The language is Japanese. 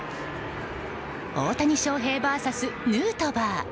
大谷翔平ＶＳヌートバー。